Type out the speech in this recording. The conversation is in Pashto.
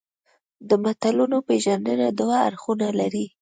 د متلونو پېژندنه دوه اړخونه لري